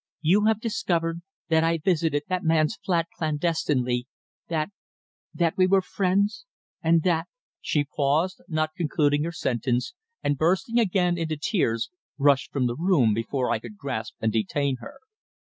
You have discovered that I visited that man's flat clandestinely, that that we were friends and that " She paused, not concluding her sentence, and bursting again into tears, rushed from the room before I could grasp and detain her.